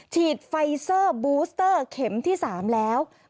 ฉีดไฟเซอร์บูสเตอร์เข็มที่๓แล้ว